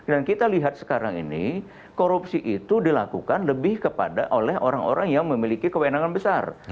dan kita lihat sekarang ini korupsi itu dilakukan lebih kepada oleh orang orang yang memiliki kewenangan besar